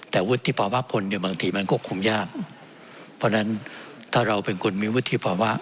แต่วุฒิภาวะคนเนี่ยบางทีมันก็คุมยากเพราะฉะนั้นถ้าเราเป็นคนมีวุฒิภาวะ